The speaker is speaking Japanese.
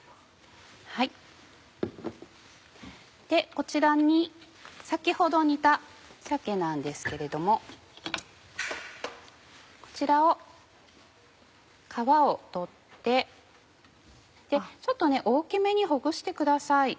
こちらに先ほど煮た鮭なんですけれどもこちらを皮を取ってちょっと大きめにほぐしてください。